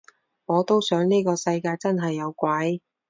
我都想呢個世界真係有鬼